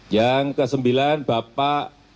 yang ke sembilan bapak